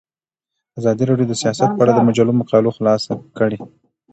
ازادي راډیو د سیاست په اړه د مجلو مقالو خلاصه کړې.